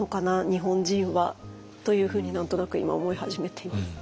日本人はというふうに何となく今思い始めています。